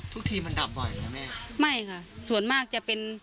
ทีมันดับบ่อยนะแม่ไม่ค่ะส่วนมากจะเป็น